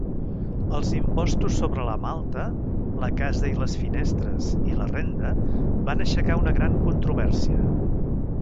Els impostos sobre la malta, la casa i les finestres i la renda van aixecar una gran controvèrsia.